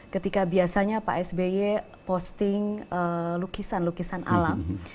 ketika biasanya pak sby posting lukisan lukisan alam